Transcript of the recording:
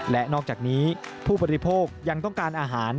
และนอกจากนี้ผู้บริโภคยังต้องการอาหาร